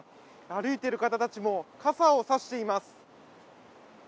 歩いている方たちも傘を差しています。